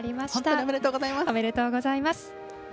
おめでとうございます。